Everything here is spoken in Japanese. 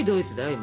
今。